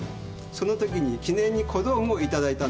そのときに記念に小道具を頂いたんです。